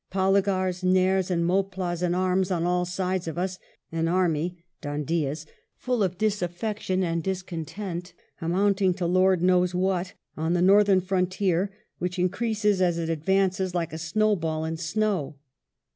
Polygars, Nairs, and Moplahs in arms on all sides of us; an army [Dhoondiah's] full of disaffection and discontent, amounting to Lord knows what, on the northern frontier, which increases as it advances, like a snowball in snow."